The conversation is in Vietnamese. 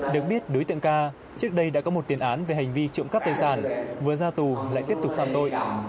được biết đối tượng ca trước đây đã có một tiền án về hành vi trộm cắp tài sản vừa ra tù lại tiếp tục phạm tội